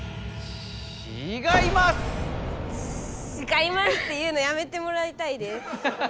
「ちがいます！」って言うのやめてもらいたいです。